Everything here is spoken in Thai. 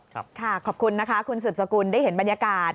ครับค่ะขอบคุณนะคะคุณศึกษกุลได้เห็นบรรยากาศ